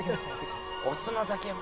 オスのザキヤマ。